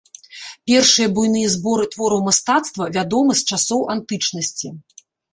Першыя буйныя зборы твораў мастацтва вядомы з часоў антычнасці.